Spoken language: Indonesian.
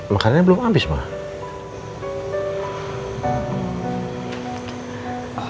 makanannya belum habis ma